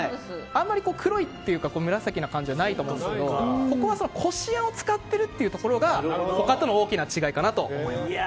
あまり黒いというか紫な感じはないと思うんですけどここは、こしあんを使っているというところが他との大きな違いかなと思います。